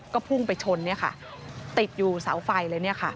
ก็พุ่งไปชนเนี่ยค่ะติดอยู่เสาไฟเลยเนี่ยค่ะ